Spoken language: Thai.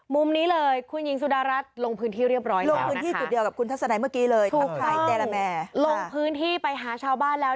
มุมนี้เลยคุณยิงสุดรัฐย์ลงพื้นที่เรียบร้อยแล้ว